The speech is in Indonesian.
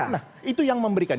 nah itu yang memberikan